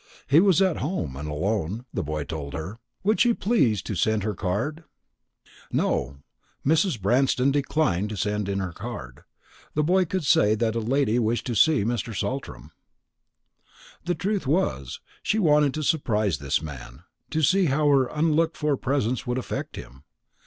He was at home and alone, the boy told her; would she please to send in her card? No, Mrs. Branston declined to send in her card. The boy could say that a lady wished to see Mr. Saltram. The truth was, she wanted to surprise this man; to see how her unlooked for presence would affect him.